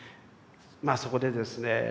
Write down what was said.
まあそこでですね